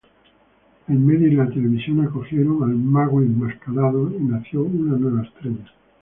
El medio y la televisión acogieron al Mago Enmascarado y nació una nueva estrella.